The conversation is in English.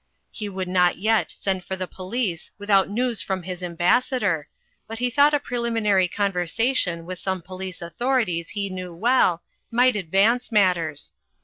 He would not yet send for the police with out news from his Ambassador, but he thought a preliminary conversation with some police authorities he knew well, might advance matters.